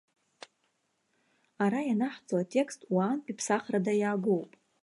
Ара ианаҳҵо атекст уаантәи ԥсахрада иаагоуп.